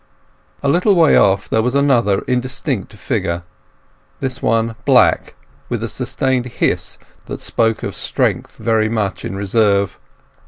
A little way off there was another indistinct figure; this one black, with a sustained hiss that spoke of strength very much in reserve.